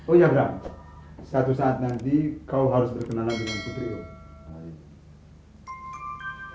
oh iya bram satu saat nanti kau harus berkenalan dengan putri om